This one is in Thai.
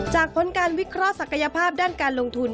ผลการวิเคราะห์ศักยภาพด้านการลงทุน